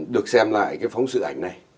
được xem lại cái phóng sự ảnh này